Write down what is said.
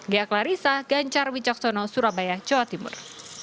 gaya klarisa ganjar wicaksono surabaya jawa timur